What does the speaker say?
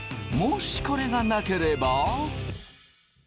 もしこれがなければ。